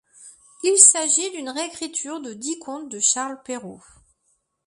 Il s'agit d'une réécriture de dix contes de Charles Perrault.